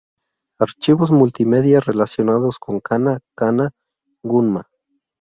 Archivos multimedia relacionados con Kanna: Kanna, Gunma